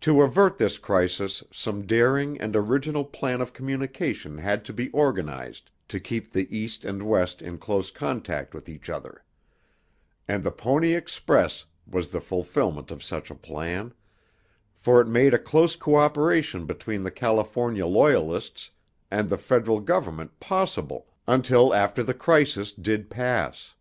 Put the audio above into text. To avert this crisis some daring and original plan of communication had to be organized to keep the East and West in close contact with each other; and the Pony Express was the fulfillment of such a plan, for it made a close cooperation between the California loyalists and the Federal Government possible until after the crisis did pass.